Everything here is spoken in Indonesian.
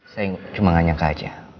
saya cuma nganyak aja